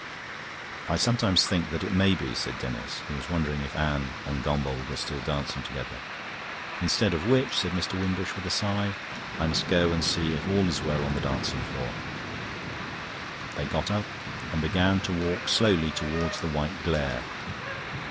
"I sometimes think that it may be," said Denis; he was wondering if Anne and Gombauld were still dancing together. "Instead of which," said Mr. Wimbush, with a sigh, "I must go and see if all is well on the dancing floor." They got up and began to walk slowly towards the white glare.